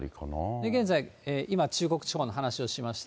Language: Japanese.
現在、今、中国地方の話をしました。